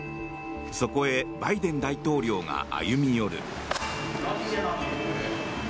そこへバイデン大統領が歩み寄る。